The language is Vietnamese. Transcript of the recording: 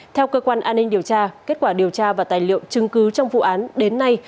theo cơ quan an ninh điều tra kết quả điều tra và tài liệu chứng cứ trong vụ án đến nay